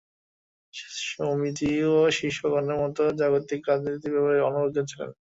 স্বামীজীও শিষ্যগণের মতই জাগতিক রীতিনীতি ব্যাপারে অনভিজ্ঞ ছিলেন।